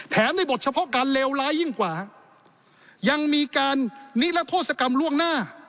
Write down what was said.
ในบทเฉพาะการเลวร้ายยิ่งกว่ายังมีการนิรโทษกรรมล่วงหน้า